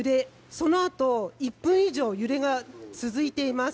そのあと１分以上揺れが続いています。